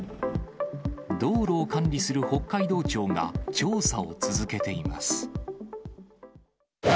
道路を管理する北海道庁が調査を続けています。